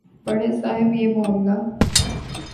بڑے صاحب یہ معاملہ